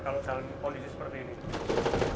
kalau misalnya kondisi seperti ini